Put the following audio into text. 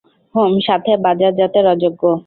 হুম, সাথে বাজারজাতের অযোগ্য।